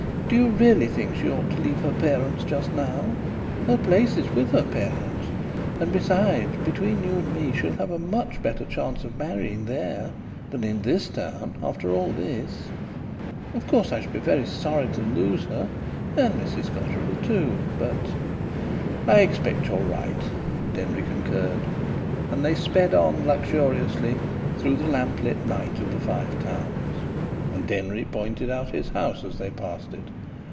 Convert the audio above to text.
"Do you really think she ought to leave her parents just now? Her place is with her parents. And besides, between you and me, she'll have a much better chance of marrying there than in this town after all this. Of course I shall be very sorry to lose her and Mrs Cotterill, too. But...." "I expect you're right," Denry concurred. And they sped on luxuriously through the lamp lit night of the Five Towns. And Denry pointed out his house as they passed it.